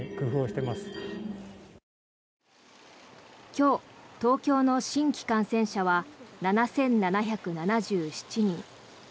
今日、東京の新規感染者は７７７７人。